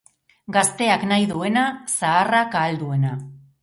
Gazteak nahi duena, zaharrak ahal duena.